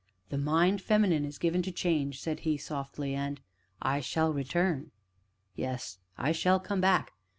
"The Mind Feminine is given to change," said he softly, "and I shall return yes, I shall come back.